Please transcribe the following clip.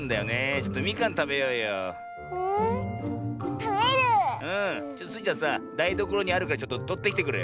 ちょっとスイちゃんさだいどころにあるからちょっととってきてくれよ。